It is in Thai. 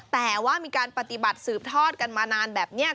แต่ว่ามีการปฏิบัติสืบทอดกันมานานแบบนี้